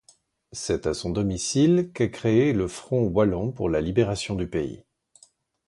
C'est à son domicile qu'est créé le Front wallon pour la libération du pays.